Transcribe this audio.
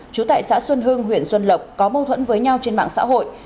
chú tại xã xuân hương huyện xuân lộc có mâu thuẫn với nhau trên mạng xã hội